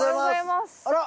あら！